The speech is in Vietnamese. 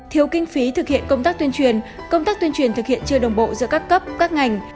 thiếu kinh phí thực hiện công tác tuyên truyền công tác tuyên truyền thực hiện chưa đồng bộ giữa các cấp các ngành